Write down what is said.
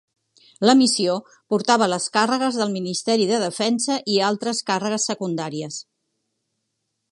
La missió portava les càrregues del Ministeri de Defensa i altres càrregues secundaries.